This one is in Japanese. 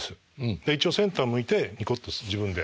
で一応センター向いてニコッとする自分で。